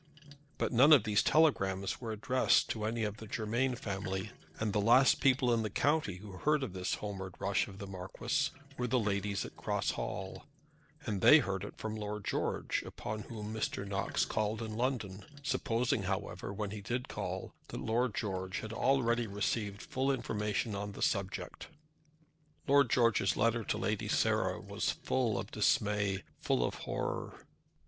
But none of these telegrams were addressed to any of the Germain family, and the last people in the county who heard of this homeward rush of the Marquis were the ladies at Cross Hall, and they heard it from Lord George, upon whom Mr. Knox called in London; supposing, however, when he did call that Lord George had already received full information on the subject. Lord George's letter to Lady Sarah was full of dismay, full of horror.